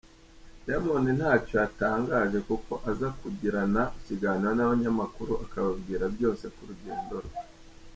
Dayamondi ntacyo yatangaje kuko aza kugirana ikiganiro n’abanyamakuru akababwira byose ku rugendo rwe.